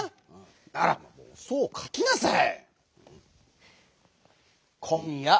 ならばそうかきなさい！